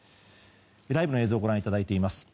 ライブの映像をご覧いただいています。